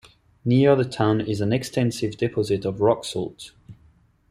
Near the town is an extensive deposit of rock salt.